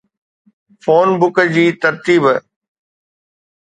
phone book جي ترتيب